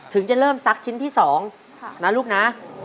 จะเริ่มซักชิ้นที่๒นะลูกนะ